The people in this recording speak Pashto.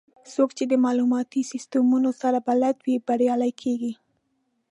څوک چې د معلوماتي سیستمونو سره بلد وي، بریالي کېږي.